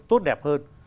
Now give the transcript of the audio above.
tốt đẹp hơn